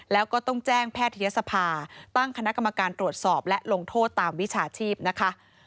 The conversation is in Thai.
แล้วก็ต้องแจ้งแพทยศภาตั้งคณะกรรมการตรวจสอบและลงโทษตามวิชาชีพนะคะ